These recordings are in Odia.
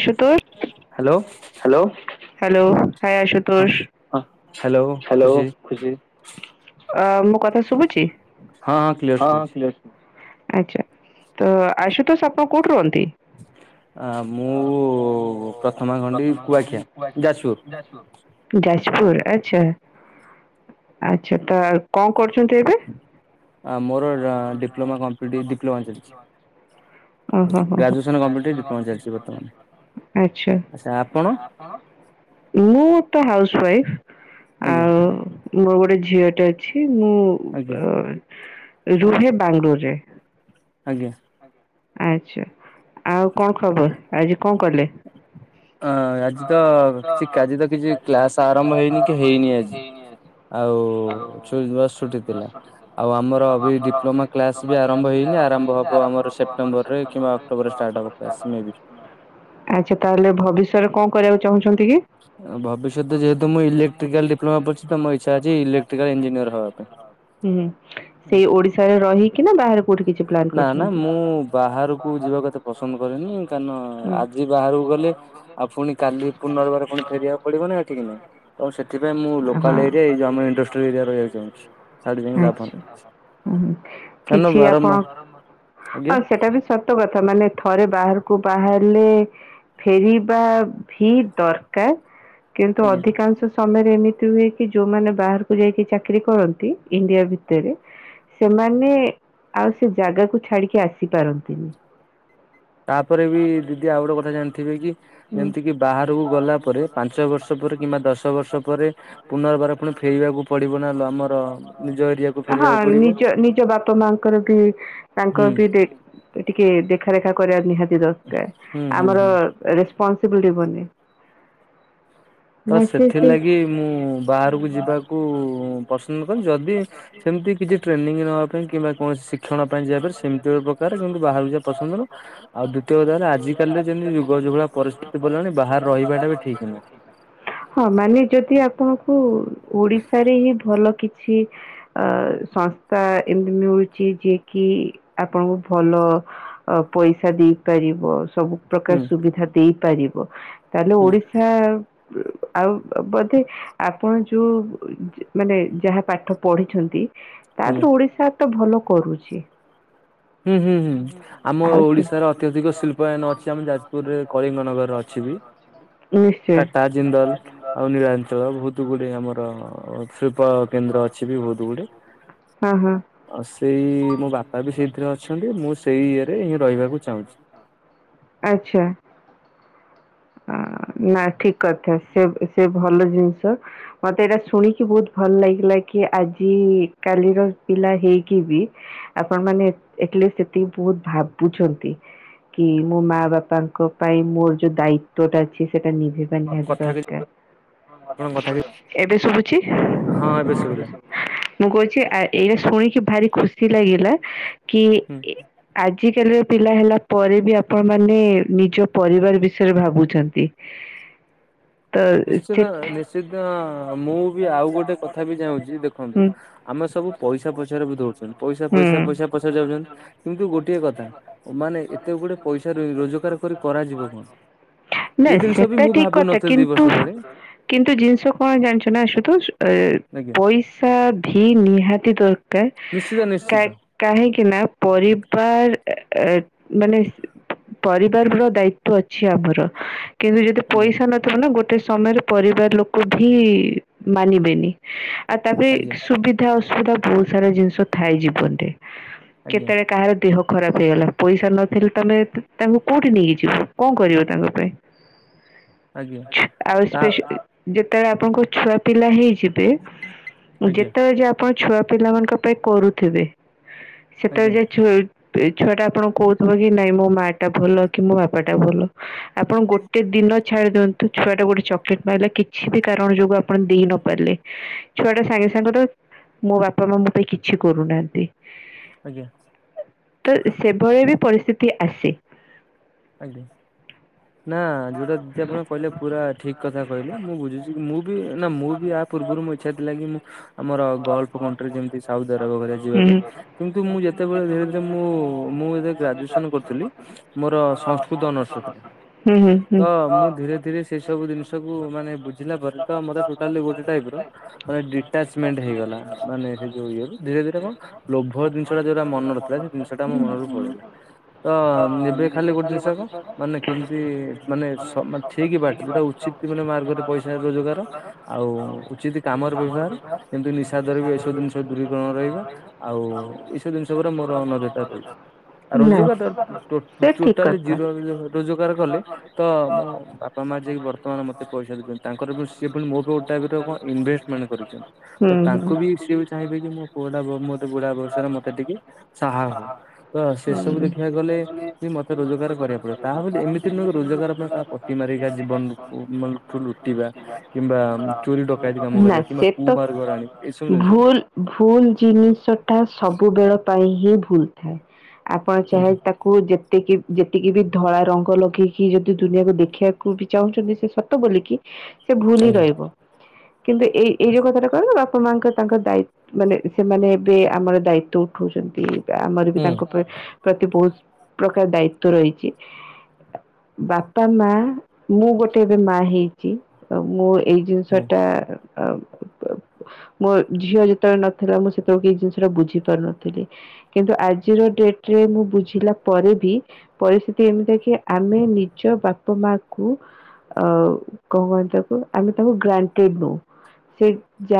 Ashutosh hello hello hello hi ଆସୁ ହଁ ତୋଷ ହାଲୋ ଖୁସି ଅ ମୋ କଥା ଶୁଭୁଛି ହଁ ଅ କ୍ଲିୟର। ଆଚ୍ଛା ତ ଆସୁତୋଷ ଆପଣ କୋଉଠି ରୁହନ୍ତି। ଆ ମୁଁ ପ୍ରଥମା ଖଣ୍ଡି କୁଆଖିଆ ଯାଜପୁର। [unintelligible] ଯାଜପୁର ଆଚ୍ଛା ଆଛା ତ ଆଉ ଆ ମୋର ଡିପ୍ଲୋମା କମ୍ପ୍ଲିଟ ଡିପ୍ଲୋମା ଚାଲିଛି। ଓହୋ ହୋ ହୋ ଗ୍ରାଜୁଏସନ କମ୍ପ୍ଲିଟ୍ ହେଇ ଡିପ୍ଲୋମା ଚାଲିଛି। ବର୍ତ୍ତମାନ। ଆଚ୍ଛା। ଆଚ୍ଛା ଆପଣ ମୁଁ ତ ହାଉଶ୍ ୱାଇଫ୍ ଆଜ୍ଞା ଆଉ ମୋର ଗୋଟେ ଝିଅ ଟେ ଅଛି ମୁଁ ଆଜ୍ଞା ଅ ରୁହେ ବାଙ୍ଗଲୋର ରେ। ଆଜ୍ଞା। ଆଛା, ଆଉ କଣ ଖବର ଆଜି କଣ କଲେ? ଅଁ ଆଜି ତ କି ଆଜି ତ କିଛି କ୍ଲାସ ଆରମ୍ଭ ହେଇନି କି ହେଇନି ଆଜି। ଆଉ ଛ ବସ୍ ଛୁଟି ଥିଲା ଆଉ ଆମର ବି ଡିପ୍ଲୋମା କ୍ଲାସ ବି ଆରମ୍ଭ ହୋଇଇନି ଆରମ୍ଭ ହେବ ଆମର ସେପ୍ଟେମ୍ବର ରେ କିମ୍ବା ଅକ୍ଟୋବର ରେ ଷ୍ଟାର୍ଟ ହେବ କ୍ଲାସ୍ ମେ ବି। ଆଚ୍ଛା, ତା ହେଲେ ଭବିଷ୍ୟରେ କଣ କରିବାକୁ ଚାହୁଁଛନ୍ତି କି? ଭବିଷ୍ୟତ ଯେହେତୁ ମୁଁ ଇକ୍ଟ୍ରିକାଲ ଡିପ୍ଲୋମା ପଡ଼ିଛି ତ ମୋର ଇଛା ଅଛି ଇଲେକ୍ଟ୍ରାଲ ଇଞ୍ନିନିୟର ହେବା ପାଇଁ। ହୁଁ, ସେଇ ଓଡିଶାରେ ରହିକିନା ବାହାରେ କୋଉଠି କିଛି ପ୍ଲାନ୍ ନା ନା କରୁଛନ୍ତି। ମୁଁ ବାହାରକୁ ଯିବା କଥା ପସନ୍ଦ କରେନି କାରଣ ହୁଁ ଆଜି ବାହାରକୁ ଗଲେ ଆଉ ଫୁଣି କାଲି ପୁନର୍ବାର ଫୁଣି ଫେରିବାକୁ ପଡିବ ନା ଏଠିକି ନାଇଁ ତ ସେଠି ସେଥିପାଇଁ ମୁଁ ହଁ। ଲୋକାଲ୍ ଏରିଆ ଏଇ ଜମି ଆମ ଇଣ୍ଡଷ୍ଟ୍ରି ଏରିଆ ରହିବାକୁ ଚାହୁଁଛି। ସାଡେ ଯାଇକି ଲାଭ ଆଚ୍ଛା ନାହିଁ। ହୁଁ କାରଣ କିଛି ଆପଣ ବାରମ୍ବାର ଆଜ୍ଞା ହଁ ସେଟା ବି ସତ୍ କଥା ମାନେ ଥରେ ବାହାରକୁ ବାହାରିଲେ ଫେରିବା ଭି ଦରକାର କିନ୍ତୁ ଆଜ୍ଞା ଅଧିକାଂଶ ସମୟ ଏମିତି ହୁଏ କି ଯୋଉମାନେ ବାହାରକୁ ଯାଇକି ଚାକିରି କରନ୍ତି ଇଣ୍ଡିଆ ଭିତରେ। ସେମାନେ ଆଉ ସେ ଜାଗାକୁ ଛାଡ଼ିକି ଆସିପାରନ୍ତିନି। ତାପରେ ବି ଦିଦି ଆଉ ଗୋଟେ କଥା ଜାଣିଥିବେ କି ହୁଁ ଯେମିତି କି? ବାହାରକୁ ଗଲା ପରେ ପାଞ୍ଚ ବର୍ଷ ପରେ କିମ୍ବା ଦଶ ବର୍ଷ ପରେ ପୁନର୍ବାର ପୁଣି ଫେରିବାକୁ ପଡିବ ନା ଲ ହଁ ନିଜ ନିଜ ବାପା ମାଙ୍କର ବି ହୁଁ ତାଙ୍କର ବି ଟିକେ ଦେଖାରେଖା କରିବା ନିହାତି ଦରକାର ହୁଁ ହୁଁ ଆମର ହୁଁ ରେସ୍ପନ୍ସବିଲିଟି ବନେ। ତ ନା ସେ ସେ ସେଥିଲାଗି ମୁଁ ବାହାରକୁ ଯିବାକୁ ପସନ୍ଦ କନ୍ତି ଯଦି ସେମିତି କିଛି ଟ୍ରେନିଂ ନେବା ପାଇଁ କିମ୍ବା କୌଣସି ଶିକ୍ଷଣ ପାଇଁ ଯାଇପାର ସେମିତି କିନ୍ତୁ ବାହାରକୁ ଯା ପସନ୍ଦରୁ ଆଉ ଦ୍ୱତୀୟ କର ଆଜିକା ରେ ଯେମତି ଯୁଗଯୁଗଳା ପରିତି ସେ ବିଲଣି ବାହାର ରହିବାଟା ବି ଠିକ ନୁହଁ। ହଁ ମାନେ ଯଦି ଆପଣଙ୍କୁ ଓଡିଶାରେ ହିଁ ଭଲ କିଛି ଅ ସଂସ୍ଥା ଏମିତି ମିଳୁଛି ଯିଏ କିି ଆପଣଙ୍କୁ ଭଲ ଅ ପଇସା ଦେଇପାରିବ ସବୁ ହୁଁ ପ୍ରକାର ସୁବିଧା ଦେଇପାରିବ ତାହେଲେ ହୁଁ ଓଡିଶା ଆଉ ବୋଧେ ଆପଣ ଯୋଉ ମାନେ ଯାହା ପାଠ ପଢିଛନ୍ତି ତା ଆଜ୍ଞା ଦେହେରୁ ଓଡିଶା ତ ଭଲ କରୁଛି। ହୁଁ ହୁଁ ହୁଁ। ଆମ ଓଡିଶାର ଅତ୍ୟଧିକ ଶିଳ୍ପାୟନ ଅଛି ଆମ ଯାଜପୁରରେ କଳିଙ୍ଗ ନଗର ଅଛି ବି। [unintelligible] ନିଶ୍ଚୟ। ଟାଟା ଜିନ୍ଦଲ ଆଉ ନିରାଞ୍ଚଳ ବହୁତ ଗୁଡ଼ିଏ ଆମର ଶିଳ୍ପ କେନ୍ଦ୍ର ଅଛି ବି ବହୁତ ଗୁଡଏ ହଁ ହଁ ଆ ସେଇ ମୋ ବାପା ବି ସେଇ ସେରେ ଅଛନ୍ତି ମୁଁ ସେଇ ଇଏ ରେ ହିଁ ରହିବାକୁ ଚାହୁଁଛି। ଆଚ୍ଛା। ନା ଠିକ କଥା ସେ ସେ ଭଲ ଜିନିଷ ମତେ ଏଇଟା ଶୁଣିକି ବହୁତ ଭଲ ଲାଗିଲା କି ଆଜି କାଲିର ପିଲା ହେଇକି ବି ଆପଣ ମାନେ ଆଟଲିଷ୍ଟ ସେତିକି ବହୁତ ଭାବୁଛନ୍ତି। କି ମୋ ମା ବାପାଙ୍କ ପାଇଁ ମୋର ଯୋଉ ଦାୟିତ୍ଵ ଟା କିଛି ସେଟା ନିଜେ ପାଇଁବା କଥା କି ଦରକାର। ଆପଣଙ୍କ କଥା କି ଏବେ ଶୁଭୁଛି। ହଁ ଏବେ ଶୁଭିଲା। ମୁଁ କହୁଛି ଆ ଏୟା ଶୁଣିକି ଭାରି ଖୁସି ଲାଗିଲା କି ହୁଁ ଆ ଆଜିକାଲିର ପିଲା ହେଲା ପରେ ବି ଆପଣ ମାନେ ନିଜ ପରିବାର ବିଷୟରେ ଭାବୁ ଛନ୍ତି। ନିଶ୍ଚିତ ନିଶ୍ଚିତ ମୁଁ ବି ଆଉ ଗୋଟେ କଥା ବି ଚାଁହୁଛି ଦେଖ ଖନ୍ତୁ ହୁଁ ଆମେ ସବୁ ପଇସା ପଛରେ ବି ଦଉଛନ୍ତି ପଇସା ପଇସା ହୁଁ ପଇସା ପ ଯାଉଛନ୍ତି କିନ୍ତୁ ଗୋଟିଏ କଥା ମାନେ ଏତେ ଗୁଡେ ପଇସା ରୋଜଗାର କରି କରାଯିବ କଣ। ନା ଏ ଜିନିଷ ବି ସେଟା ମୁଁ ଠିକ କଥା ଭାବୁନଥିଲି ଦି ବର୍ଷ କିନ୍ତୁ? ତଳେ କିନ୍ତୁ ଜିନିଷ କଣ ଜାଣିଛ ନା ଆଶୁତୋଷ ଏ ପଇସ ଆଜ୍ଞା ପଇସା ଭି ନିହାତି ଦରକାର ନିଶ୍ଚିତ କ ନିଶ୍ଚିତ କାହିଁକି ନା ପରିବାର ଅ ଏ ମାନେ ପରିବାର ର ଦାୟି ତ୍ବ ଅଛି ଆମର। କିନ୍ତୁ ଯଦି ଆଜ୍ଞା ପଇସା ନଥିବ ନା ଗୋଟେ ସମୟରେ ପରିବାର ଲୋକ ବି ମାନିବେନି। ଆଉ ତାପରେ ଆଜ୍ଞା ସୁବିଧା ଅସୁବିଧା ବହୁତ ସାରା ଜିନିଷ ଥାଏ ଜୀବନରେ। ଆଜ୍ଞା କେତେବେଳେ କାହାର ଦେହ ଖରାପ ହେଇଗଲା ପଇସା ନଥିଲେ ତମେ ତାଙ୍କୁ କୋଉଁଠି ନେଇକି ଯିବ କଣ କରିବ ତାଙ୍କ ପାଇଁ। ଆଜ୍ଞା ଆଉ ତା ସ୍ପେ ଯେତେବେଳେ ଆପଣଙ୍କ ଛୁଆ ପିଲା ହେଇଯିବେ। ଆଜ୍ଞା ଯେତେବେଳେ ଯାଏଁ ଆପଣ ଛୁଆ ପିଲାମାନଙ୍କ ପାଇଁ କରୁଥିବେ ସେତେବେଳେ ଆଜ୍ଞା ଯାଏଁ ଛୁ ଛୁଆ ଟା ଆପଣଙ୍କୁ କହୁଥିବ କି ନାଇଁ ମୋ ମା ଟା ଭଲ କି ମୋ ବାପା ଟା ଭଲ। ଆପଣ ଗୋଟେ ଦିନ ଛାଡ଼ି ଦିଅନ୍ତୁ ଛୁଆଟା ଗୋଟେ ଚକଲେଟ ପାଇଲା କିଛି ବି କାରଣ ଯୋଗୁଁ ଆପଣ ଦେଇ ନ ପାରିଲେ ଛୁଆ ଟା ସାଙ୍ଗେ ସାଙ୍ଗ ତ ମୋ ବାପା ମାମା ମୋ ପାଇଁ କିଛି କରୁନାହାନ୍ତି। ଆଜ୍ଞା ତ ସେଭଳି ବି ପରିସ୍ଥିତି ଆସେ। ଆଜ୍ଞା ନା ହୁଁ ଯୋଉଟା ଦି ଆପଣ ଯୋଉଟା କହିଲେ ପୁରା ଠିକ କଥା କହିଲେ ମୁଁ ବୁଝୁଛି। ମୁଁ ବି ନା ମୁଁ ବି ପୂର୍ବରୁ ମୁ ଇଛା ଥିଲା କି ମୁଁ ଆମର ଗଲ୍ଫ କଣ୍ଟିରେ ଯେମିତି ସାଉଦି ଆରବ କରିବା ଯିବା ହୁଁ ପାଇଁ କିନ୍ତୁ ମୁଁ ଯେତେବେଳେ ଧୀରେ ଧୀରେ ମୁଁ ମୁଁ ଏ ଗ୍ରାଜୁଏସନ କରୁଥିଲି ମୋର ସଂସ୍କୃତ ଅର୍ନସ ଥିଲା ହୁଁ ତ ହୁଁ। ମୁଁ ଧୀରେ ଧୀରେ ସେଇ ସବୁ ଜିନିଷକୁ ମାନେ ବୁଝିଲା ପରେ ତ ମୋର ଟୋଟାଲି ଗୋଟେ ଟାଇପ ର ମାନେ ଡିଟାଚମେଣ୍ଟ ହେଇଗଲା ମାନେ ସେ ଯୋଉ ଇଏ ରୁ ଧୀରେ ଧୀରେ କଣ ଲୋଭ ଜିନିଷଟା ଯୋଉଟା ମନର ଥିଲା ସେ ଜିନିଷଟା ଆମ ମନରୁ ପଳେଇଲା ତ ଏବେ ଖାଲି ଗୋଟେ ଜିନିଷ କଣ ମାନେ କେମିତି ମାନେ ସ ଠିକ ବାଟ ଯୋଉଟା ଉଚିତ ମାନେ ମାର୍ଗରେ ପଇସା ରୋଜଗାର ଆଉ ଉଚିତ କାମର ବ୍ୟବହାର କିନ୍ତୁ ନିଶାଦ୍ରବ୍ୟ ଏସବୁ ଜିନିଷ ଦୂରୀକରଣ ରହିବା ଆଉ ଏଇସବୁ ଜିନିଷ ଉପରେ ମୋର ନଜର ଟା ରହୁଛି ଆଉ ନା ରୋଜଗାର ଟ ସେ ଠିକ ଟୋଟାଲି କଥା। ଜିରୋ ରୋଜଗାର କଲେ ତ ମୋ ବାପା ମା ଯାଏଁ ବର୍ତ୍ତମାନ ମତେ ପଇସା ଦଉଛନ୍ତି ତାଙ୍କର ଯୋଉ ସ ଜି ସେ ପୁଣି ମୋ ବି ଗୋଟାଇପରେ କଣ ଇନଭେଷ୍ଟମେଣ୍ଟ କରିଛନ୍ତି ହୁଁ ତ ହୁଁ। ତାଙ୍କୁ ବି ସିଏ ବି ଚାହିଁବେ କି ମୁଁ ପୁଅଟା ମ ମୋତେ ବୁଢା ବୟସରେ ମତେ ଟିକେ ସାହା ହଉ ତ ସେ ସବୁ ଦେଖିବାକୁ ଗଲେ ମତେ ରୋଜଗାର କରିବାକୁ ପଡିବ ତାହା ଏମିତି ନୁହ ରୋଜଗାର ତା ପଟି ମାରିକ ଜୀବନଠୁ ଲୁଟୁ ଲୁଟିବା କିମ୍ବା ଚୋରି ଡକାୟତି କାମ ନା କରିବା କିମ୍ବା ସେ କୁ ତ ମାର୍ଗରେ ଆଣିବା ଏସବୁ ଜିନିଷ ନୁହେଁ। ଭୁଲ ଭୁଲ ଜିନିଷ ଟା ସବୁବେଳ ପାଇଁ ହିଁ ଭୁଲ ଥାଏ ଆପଣ ଚାହେ ଆଜ୍ଞା ତା କୁ ଯେତିକି ଯେତିକି ବି ଧଳା ରଙ୍ଗ ଲଗେଇକି ଯଦି ଦୁନିଆକୁ ଦେଖିବାକୁ ବି ଚାହୁଁଛନ୍ତି ସେତ ତ ବୋଲିକି ସେ ଭୁଲ ହିଁ ଆଜ୍ଞା ରହିବ। କିନ୍ତୁ ଏଇ ଏଇ ଯୋଉ କଥାଟା କହିଲ ବାପା ମାଆଙ୍କ ତାଙ୍କର ଦାୟି ମାନେ ସେମାନେ ଏବେ ଆମର ଦାୟିତ୍ଵ ଉଠଉଛନ୍ତି ଆମର ବି ହୁଁ ତାଙ୍କ ଉପ ପ୍ରତି ବହୁତ ପ୍ରକାର ଦାୟିତ୍ଵ ରହିଛି। ବାପା ମା ମୁଁ ଗୋଟେ ଏବେ ମା ହେଇଛି ତ ମୁଁ ଏଇ ଜିନିଷ ହୁଁ ଟାଅ ବ୍ ମୋ ଝିଅ ଯେତେବେଳେ ନଥିଲା ମୁଁ ସେତେବେଳେ ଏ ଜିନିଷଟା ବୁଝି ପାରୁନଥିଲି। କିନ୍ତୁ ଆଜିର ଡେଟ ରେ ମୁଁ ବୁଝିଲା ପରେ ବି ପରିସ୍ଥିତି ଏମିତି କି ଆମେ ନିଜ ବାପା ମା କୁ ଅ କଣ କହ ତାକୁ ଆମେ ତାକୁ ଗ୍ରାଣ୍ଟେଡ ନଉ ସେ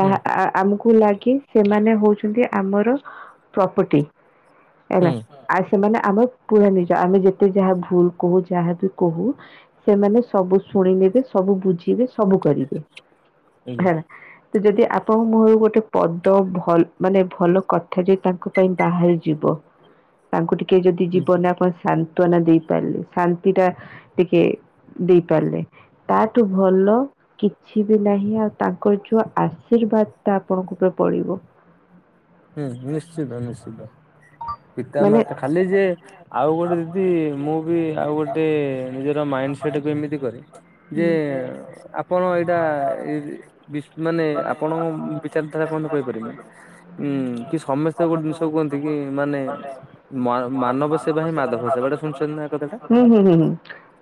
ହୁଁ ଆମକୁ କ ଲାଗି ସେମାନେ ହଉଛନ୍ତି ଆମର ପ୍ରପର୍ଟି ହେଲା। ହୁଁ ଆଉ ସେମାନେ ଆମର ପୁରା ନିଜ ଆମେ ଯେତେ ଯାହା ଭୁଲ କହୁ ଯାହା ବି କହୁ ସେମାନେ ସବୁ ଶୁଣି ନେବେ ସବୁ ବୁଝିବେ ସବୁ କରିବେ ଆଜ୍ଞା। ହେଲା। ତ ଯଦି ଆପଣଙ୍କ ମୁହଁରୁ ଗୋଟେ ପଦ ମାନେ ଭଲ କଥା ଯ ତାଙ୍କୁ ପାଇଁ ବାହାରି ଯିବ ତାଙ୍କୁ ଟିକେ ଯଦି ଜୀବନ ଆପଣ ଶା ସାତ୍ଵନା ଦେଇପାରିଲେ ଶାନ୍ତି ଟା ଟିକେ ଦେଇପାରିଲେ ତାଠୁ ଭଲ କିଛି ବି ନାହିଁ ଆଉ ତାଙ୍କର ଯୋଉ ଆଶୀର୍ବାଦ ଟା ଆପଣଙ୍କ ଉପରେ ପଡିବ। ହୁଁ ନିଶ୍ଚିତ ନିଶ୍ଚିତ ମାନେ ପିତାମାତା ଖାଲି ଯେ ଆଉ ଗୋଟେ ଦିଦି ମୁଁ ବି ଆଉ ଗୋଟେ ନିଜର ମାଇଣ୍ଡ୍ ସେଟକୁ ଏମିତି କରିଚି। ଇଏ ହୁଁ। ଆପ୍ ଆପଣ ଏଇଟା ଏଇ ବିସ୍ ମାନେ ଆପଣ ବିଚାରଧାରା କଣ କହିପାରିବେ। ଉଁ କି ସମସ୍ତେ ଗୋଟେ ଜିନିଷ କୁହନ୍ତି କି ମାନେ ମା ମାନବ ସେବା ହିଁ ମାଧବ ସେବା ଏଟା ଶୁ ହୁଁ ଶୁଣନା ଏ କଥାଟା ହୁଁ ହୁଁ ହୁଁ।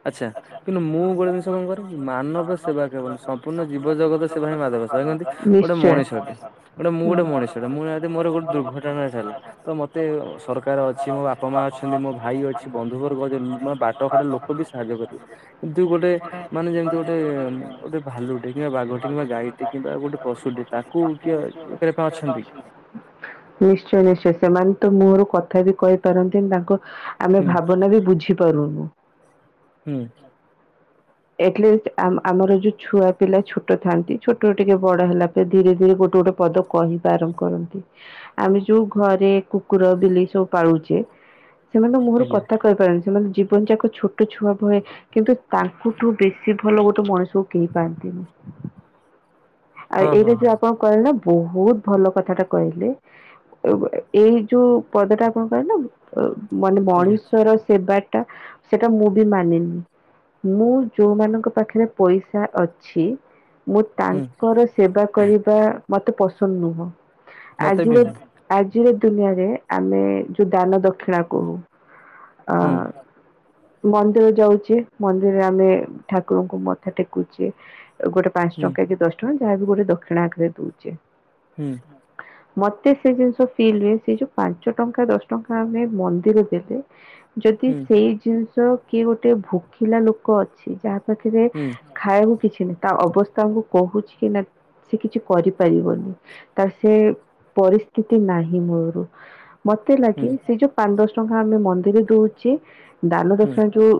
ଆଛା କିନ୍ତୁ ମୁଁ ଗୋଟେ ଜିନିଷ କଣ କରେ ମାନବ ସେବା କେବଳ ନୁହଁ। ସମ୍ପୂର୍ଣ୍ଣ ଜୀବଜଗତ ସେବା ହିଁ ମାଧବ ସେବା। କେମତି ଗୋଟେ ନିଶ୍ଚୟ। ମଣିଷଟେ ଗୋଟେ ମୁଁ ହୁଁ। ଗୋଟେ ମଣିଷ ସେଟା ମୁଁ ଜାଣିଚି ମୋର ଗୋଟେ ଦୁର୍ଘଟଣା ହେଇଥିଲା। ତ ମତେ ସରକାର ଅଛି ମୋ ବାପା ମା ଅଛନ୍ତି ମୋ ଭାଇ ଅଛି ବନ୍ଧୁବର୍ଗ ଅ ମୋ ବାଟ ଖାଟ ଲୋକ କବି ସାହାଯ୍ୟ କରିବେ। କିନ୍ତୁ ଗୋଟେ ମାନେ ଯେମିତି ଗୋଟେ ଗୋଟେ ଭାଲୁଟେ କିମ୍ବା ବାଘଟେ କିମ୍ବା ଗାଈଟେ କିମ୍ବା ଗୋଟେ ପଶୁଟେ ତା କୋଉ କିିଅ ଉପରେ କଣ କଣ ଅଛନ୍ତି? ନିଶ୍ଚୟ ନିଶ୍ଚୟ ସେମାନେ ତ ମୁହଁରୁ କଥା ବି କହିପାରନ୍ତିନି ତାଙ୍କ ଆମେ ହୁଁ ଭାବନା ବି ବୁଝିପାରୁନୁ। ହୁଁ। ଏଟଲିଷ୍ଟ ଆମ ଆମର ଯୋଉ ଛୁଆ ପିଲା ଛୋଟ ଥାନ୍ତି ଛୋଟରୁ ଟିକେ ବଡ ହେଲା ପରେ ଧୀରେ ଧୀରେ ଗୋଟେ ଗୋଟେ ପଦ କହିବା ଆରମ୍ଭ କରନ୍ତି। ଆମେ ଯୋଉ ଘରେ କୁକୁର ବିଲେଇ ସବୁ ପାଳୁଛେ ସେମାନଙ୍କ ମୁହଁରୁ ଆଜ୍ଞା କଥା କହିପାରୁନି ସେମାନେ ଜୀବନ ଯାକ ଛୋଟ ଛୁଆ ଭଏ କିନ୍ତୁ ତାଙ୍କଠୁ ବେଶୀ ଭଲ ଗୋଟେ ମଣିଷକୁ କେହି ପାଆନ୍ତିନି। ଆଉ ହଁ ଏଇଟା ହଁ ଯୋଉ ଆପଣ କହିଲେ ନା ବହୁତ ଭଲ କଥାଟା କହିଲେ। ଓ ଏଇ ଯୋଉ ପଦଟା କଣ କହେଲନି ମାନେ ଆଜ୍ଞା ମଣିଷର ସେବାଟା ସେଇଟା ମୁଁ ବି ମାନିନି। ମୁଁ ଯୋଉମାନଙ୍କ ପାଖରେ ପଇସା ଅଛି ମୁଁ ହୁଁ ତାଙ୍କର ସେ ସେବା କରିବା ମତେ ପସନ୍ଦ ନୁହଁ। ମତେ ବି ଆଜିର ନୁହଁ ଆଜିର ଦୁନିଆରେ ଆମେ ଯୋଉ ଦାନ ଦକ୍ଷିଣା କହୁ। ହୁଁ। ଅ ମନ୍ଦିର ଯାଉଚେ ମନ୍ଦିରରେ ଆମେ ଠାକ୍ ଠାକୁରଙ୍କୁ ମଥା ଟେକୁଚେ ଗୋଟେ ପାଞ୍ଚ ଟଙ୍କା କି ଦଶ ଟଙ୍କା ଯାହାବି ଗୋଟେ ଦକ୍ଷିଣା ଆକରରେ ଦଉଛେ। ହୁଁ। ମତେ ସେ ଜିନିଷ ଫିଲ୍ ହୁଏ, ସେ ଯୋଉ ପାଞ୍ଚ ଟଙ୍କା ଦଶ ଟଙ୍କା ଆମେ ମନ୍ଦିର ଦେଲେ ଯଦି ହୁଁ ସେଇ ଜିନିଷ କିଏ ଗୋଟେ ଭୋକିଲା ଲୋକ ଅଛି ଯାହା ପାଖରେ ହୁଁ ଖାଇବାକୁ କିଛି ନାହିଁ ତା ଅବସ୍ଥାକୁ କହୁଛି କି ନା ସେ କିଛି କରିପାରିବନି ତାର ସେ ପରିସ୍ଥିତି ନାହିଁ ମୂଳରୁ। ମତେ ହୁଁ ଲାଗେ ହୁଁ ସେ ଯୋଉ ପାଞ୍ଚ ଦଶ ଟଙ୍କା ଆମେ ମନ୍ଦିର ଦଉଛେ ଦାନ ହୁଁ ଦକ୍ଷିଣା ଯୋଉ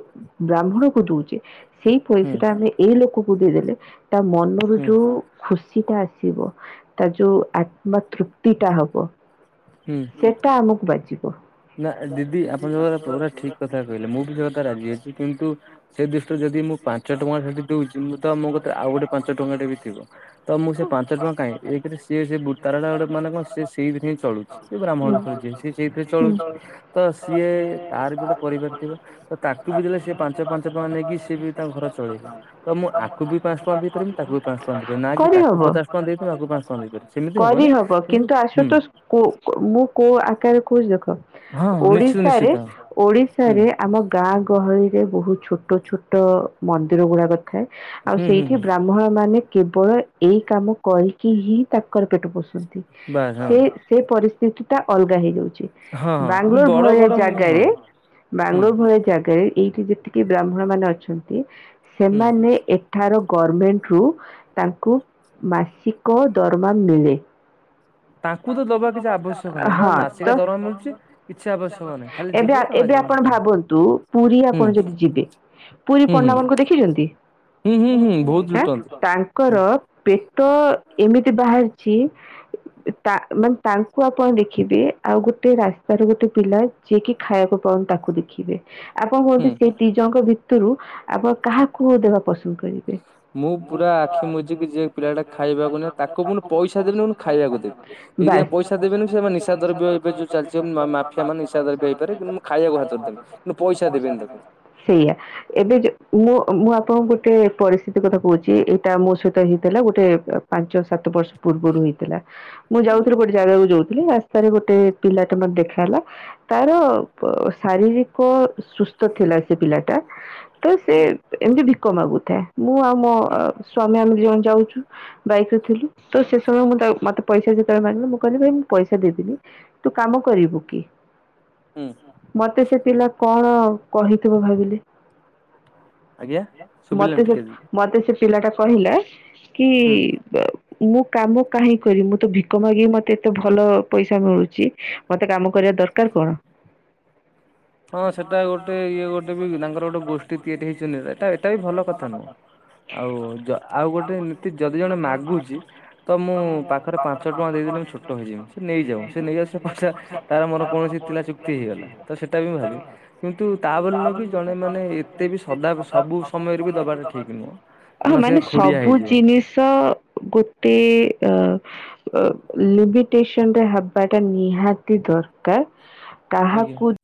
ବ୍ରାହ୍ମଣକୁ ଦୋଉଛେ ସେଇ ପଇସା ହୁଁ ଟା ଆମେ ଏଇ ଲୋକକୁ ଦେଇଦେଲେ ତା ମନରୁ ହୁଁ ଯୋଉ ଖୁସି ଟା ଆସିବ ତା ଯୋଉ ଆତ୍ମା ତୃପ୍ତି ଟା ହବ। ହୁଁ। ସେଟା ଆମକୁ ବାଜିବ। ନା ଦିଦି ଆପଣଙ୍କ ଯୋଉ କଥା ପୁରା ଠିକ କଥା କହିଲେ। ମୁଁ ବି ସେ କଥା ରାଜି ଅଛି। କିନ୍ତୁ ସେ ଦୃଷ୍ଟିରୁ ଯଦି ମୁଁ ପାଞ୍ଚ ଟଙ୍କା ସେଠି ଦଉଛି ମୁଁ ତ ଆଉ ମୋ କତିରେ ଆଉ ଗୋଟେ ପାଞ୍ଚ ଟଙ୍କା ଟେ ବି ଥିବ। ତ ମୁଁ ସେ ପାଞ୍ଚ ଟଙ୍କା କାଇଁ ଏକରେ ସେ ତାର ଟା ମାନେ କଣ ସିଏ ସେଇଥିରେ ହିଁ ଚଳୁଛି। ସେ ବ୍ରାହ୍ମଣ ଲୋକରେ ଜିଏ ସେ ସେଇଥିରେ ଚଳୁଛି। ତ ସିଏ ତାର ବି ଗୋଟେ ପରିବାର ଥିବ ତ ତାଙ୍କୁ ବି ଦେଲେ ସିଏ ପାଞ୍ଚ ପାଞ୍ଚ ଟଙ୍କା ନେଇକି ସିଏ ବି ତା ଘର ଚଳେଇବ। ତ ମୁଁ ଆକୁ ବି ପାଞ୍ଚ ଟଙ୍କା ଦେଇପାରିବିନି ତାକୁ ବି ପାଞ୍ଚ ଟଙ୍କା ଦେଇ ପାରିବିନି ନା କି କରିହବ ତାକୁ ପଚାଶ ପାଞ୍ଚ ଟଙ୍କା ଦେଇଥିବି ଆକୁ ପାଞ୍ଚ ଟଙ୍କା ଦେଇପାରିବି ସେମିତି ହବନି କିନ୍ତୁ ହୁଁ କୋଉ ମୁଁ କୋଉ ଆକାରରେ କହୁଛିି ଦେଖ। ହଁ ନିଶ୍ଚିତ ଓଡିଶାରେ ନିଶ୍ଚିତ। ହୁଁ ଓଡିଶାରେ ଆମ ଗାଁ ଗହଳି ରେ ବହୁତ ଛୋଟ ଛୋଟ ମନ୍ଦିର ଗୁଡାକ ଥାଏ। ଆଉ ହୁଁ ହୁଁ ସେଇଠି ହୁଁ ବ୍ରା ହ୍ମଣ ମାନେ କେବଳ ଏଇ କାମ କରିକି ହି ତାଙ୍କର ପେଟ ପୋଷନ୍ତି। ବାସ୍ ହଁ ସେ ସେ ପରିସ୍ଥିତି ଟା ଅଲଗା ହେଇଯାଉଛି। ହଁ ହଁ କିନ୍ତୁ ବାଙ୍ଗଲୋର ବଡ ଭଳିଆ ବଡ ମୁଁ ହଁ ଜାଗାରେ ହୁଁ ବାଙ୍ଗଲୋର ଭଳିଆ ଜାଗାରେ ଏଇଟ ଯେତି କି ବ୍ରାହ୍ମଣ ମାନେ ଅଛନ୍ତି ହୁଁ ସେମାନେ ଏ ଏଠାର ଗର୍ମେଣ୍ଟରୁ ତାଙ୍କୁ ମାସିକ ଦରମା ମିଳି ଯାଇଛି। ତାଙ୍କୁ ତ ଦବା କିଛି ଆବଶ୍ୟକ ନାହିଁ ତା ହଁ ମାସିକା ତ ଦରମା ମିଳୁଛି କିଛି ଆବଶ୍ୟକ ନାହିଁ ଖାଲି ଯିବ ତା ମାଝି ଏବେ-ଏବେ ହଁ ଆପଣ ଭାବନ୍ତୁ। ପୁରୀ ହୁଁ ଆପଣ ଯଦି ଯିବେ ପୁରୀ ହୁଁ ହୁଁ ପଣ୍ଡା ମାନଙ୍କୁ ଦେଖିଛନ୍ତି? ହୁଁ ହୁଁ ହୁଁ ବହୁତ ଲୁଟନ୍ତି ତାଙ୍କର ପେଟ ଏମିତି ବାହାରିଛି ତା ମାନେ ତାଙ୍କୁ ଆପଣ ଦେଖିବେ ଆଉ ଗୋଟେ ରାସ୍ତାର ଗୋଟେ ପିଲା ଯିଏକି ଖାଇବାକୁ ପାଉନି ତାକୁ ଦେଖିବେ। ଆପଣ ହୁଁ କୁହନ୍ତୁ ସେଇ ଦିଜଣଙ୍କ ଭିତରୁ ଆପଣ କାହାକୁ ଦେବା ପସନ୍ଦ କରିବେ? ମୁଁ ପୁରା ଆଖି ମୁଜିକି ଯିଏ ପିଲା ଟା ଖାଇବାକୁ ନାଁ ତାକୁ ପୁଣି ପଇସା ଦେବିନି ପୁଣି ଖାଇବାକୁ ଦେବି। ଇରିଆ ପଇସା ଦେବେନି ସେମାନେ ନିଶା ଦ୍ରବ୍ୟ ଏବେ ଯୋଉ ଚାଲିଛି ମାଫିଆ ମାନେ ନିଶା ଦ୍ରବ୍ୟ ହେଇପାରେ କିନ୍ତୁ ଖାଇବାକୁ ବାସ୍ ଦ୍ଭାତ ଦେବ କିନ୍ତୁ ପଇସା ଦେବେନି ତାକୁ ସେଇଆ ଏବେ ମୁଁ ମୁଁ ଆପଣଙ୍କୁ ଗୋଟେ ପରିସ୍ଥିତି କଥା କହୁଛି ଏଇଟା ମୋ ସହିତ ହେଇଥିଲା ଗୋଟେ ପାଞ୍ଚ ସାତ ବର୍ଷ ପୂର୍ବରୁ ହେଇଥିଲା ମୁଁ ଆଜ୍ଞା ଯାଉଥିଲି ପ ଜାଗାକୁ ଯାଉଥିଲି ରାସ୍ତାରେ ଗୋଟେ ପିଲାଟା ମୋତେ ଦେଖା ହେଲା। ତାର ଶାରୀରିକ ସୁସ୍ଥ ଥିଲା ସେ ପିଲାଟା। ତ ହୁଁ ସେତ୍ ଏମିତି ଭିକ ମାଗୁଥାଏ ମୁଁ ଆଉ ମୋ ହୁଁ ସ୍ଵାମୀ ଆମେ ଦି ଜଣ ଯାଉଛୁ। ବାଇକ ରେ ଥିଲୁ ତ ସେ ସମୟ ମୁଁ ତାକୁ ମତେ ପଇସା ଯେତେବେଳେ ମାଗିଲେ ମୁଁ କହିଲି ଭାଇ ମୁଁ ପଇସା ଦେବିନି ତୁ କାମ କରିବୁ କି? ହୁଁ ମତେ ସେ ପିଲା କଣ କହିଥିବ ଭାବିଲେ। ଆଜ୍ଞା ଶୁଭିଲାନି ମତେ ସେ ଟିକେ ମତେ ସେ ପିଲା ଟା କହିଲା କି ହୁଁ। ମୁଁ କାମ କାହିଁ କରିବି। ତ ଭିକ ମାଗି ମତେ ଏତେ ଭଲ ପଇସା ମିଳୁଛି ମତେ କାମ କରିବା ଦରକାର କଣ? [inaudible] ହଁ ସେଟା ଗୋଟେ ଇଏ ଗୋଟେ ବି ତାଙ୍କର ଗୋଟେ ଗୋଷ୍ଠୀ ତିଆରି ହେଇଛନ୍ତି ଏଟା ବି ଭଲ କଥା ନୁହଁ। ଆଉ ଆଉ ଗୋଟେ ନୀତି ଯଦି ଜଣେ ମାଗୁଛି ତ ମୁଁ ପାଖରେ ପାଞ୍ଚ ଟଙ୍କା ଦେଇଦଲେ ମୁଁ ଛୋଟ ହେଇଯିବିନି ସେ ନେଇଯାଉ ସେ ନେଇଯାଉ ସେ ପଇସା ତାର ମୋର କୌଣସି ଥିଲା ଚୁକ୍ତି ହେଇଗଲା ତ ସେ ସେଟା ବି ଭା କିନ୍ତୁ ତା ବୋଲି ନୁହେଁ କି ଜଣେ ମାନେ ଏତେ ବି ସଦା ସବୁ ସମୟରେ ବି ଦବାଟା ଠିକ ନୁହଁ। ହଁ କାରଣ ସେ ମାନେ ଖୋଡିଆ ସବୁ ହେଇଯିବ ଜିନିଷ ଗୋଟେ ଅ ଲିମିଟସନରେ ହେବାଟା ନିହାତି ଦରକାର। ଆଜ୍ଞା। କାହାକୁ।